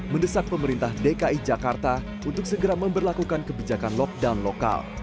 mendesak pemerintah dki jakarta untuk segera memperlakukan kebijakan lockdown lokal